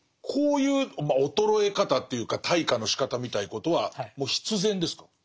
こういうまあ衰え方というか退化のしかたみたいなことはもう必然ですか？